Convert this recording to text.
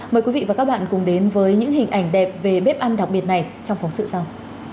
mời quý vị và các bạn cùng đến với những hình ảnh đẹp về bếp ăn đặc biệt này trong phóng sự sau